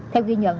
theo ghi nhận